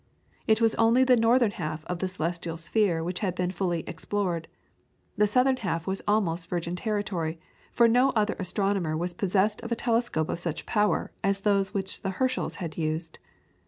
It was only the northern half of the celestial sphere which had been fully explored. The southern half was almost virgin territory, for no other astronomer was possessed of a telescope of such power as those which the Herschels had used.